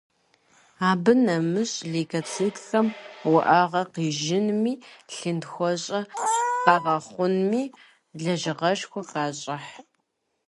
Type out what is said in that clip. Абы нэмыщӏ, лейкоцитхэм уӏэгъэ кӏыжынми, лъынтхуэщӏэ къэгъэхъунми лэжьыгъэшхуэ хащӏыхь.